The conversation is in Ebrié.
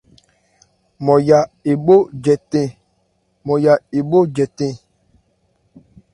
Nmɔya èbhó jɛtɛn.